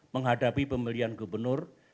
menghadapi pemilihan gubernur dki jakarta